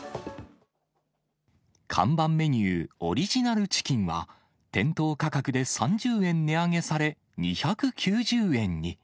看板メニュー、オリジナルチキンは、店頭価格で３０円値上げされ、２９０円に。